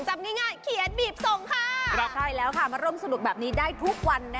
ใช่แล้วค่ะมาร่วมสนุกอย่างงั้นได้ทุกวัน